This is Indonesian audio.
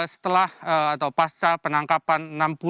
setelah atau pasca penangkapan